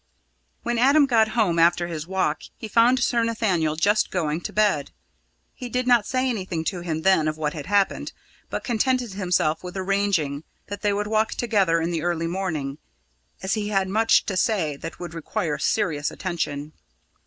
When Adam got home after his walk, he found Sir Nathaniel just going to bed. He did not say anything to him then of what had happened, but contented himself with arranging that they would walk together in the early morning, as he had much to say that would require serious attention.